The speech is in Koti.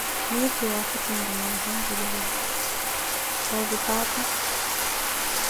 miyo kiwaapho kinkumi alihamtulillah, toovi paapa?